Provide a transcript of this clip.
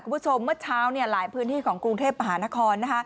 คุณผู้ชมเมื่อเช้าหลายพื้นที่ของกรุงเทพภาษาอาณาคร